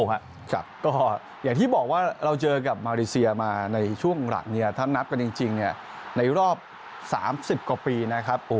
ก็อย่างที่บอกว่าเราเจอกับมาเลเซียมาในช่วงหลักเนี่ยถ้านับกันจริงในรอบ๓๐กว่าปีนะครับ